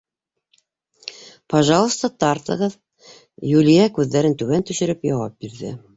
— Пожалуйста, тартығыҙ, — Юлия күҙҙәрен түбән төшөрөп яуап бирҙе.